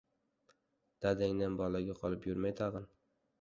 — Dadangdan baloga qolib yurmay tag‘in.